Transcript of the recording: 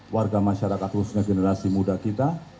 warga masyarakat khususnya generasi muda kita